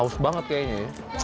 aus banget kayaknya ya